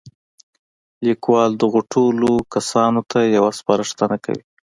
ليکوال دغو ټولو کسانو ته يوه سپارښتنه کوي.